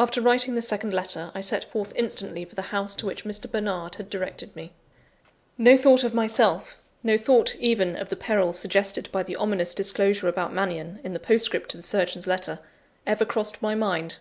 After writing this second letter, I set forth instantly for the house to which Mr. Bernard had directed me. No thought of myself; no thought, even, of the peril suggested by the ominous disclosure about Mannion, in the postscript to the surgeon's letter, ever crossed my mind.